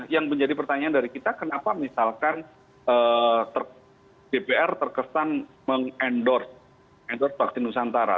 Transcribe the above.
yang menjadi pertanyaan dari kita kenapa misalkan dpr terkesan meng endorse endorse vaksin nusantara